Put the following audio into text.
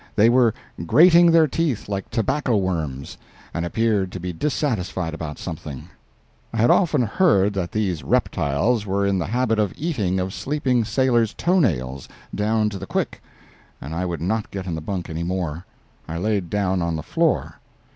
They were grating their teeth like tobacco worms, and appeared to be dissatisfied about something. I had often heard that these reptiles were in the habit of eating of sleeping sailors' toenails down to the quick, and I would not get in the bunk any more. I laid down on the floor.